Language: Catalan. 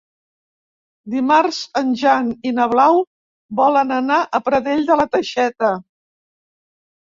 Dimarts en Jan i na Blau volen anar a Pradell de la Teixeta.